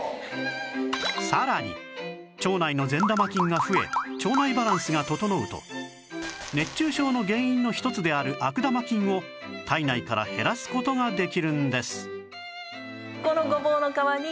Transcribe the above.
さらに腸内の善玉菌が増え腸内バランスが整うと熱中症の原因の一つである悪玉菌を体内から減らす事ができるんです